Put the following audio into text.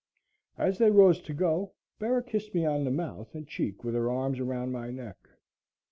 As they arose to go, Bera kissed me on the mouth and cheek with her arms around my neck.